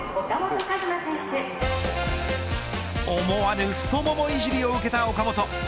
思わぬ太腿いじりを受けた岡本。